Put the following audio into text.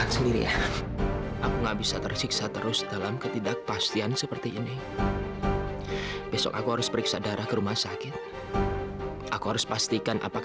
sampai jumpa di video selanjutnya